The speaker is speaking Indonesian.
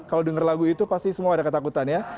kalau denger lagu itu pasti semua ada ketakutan ya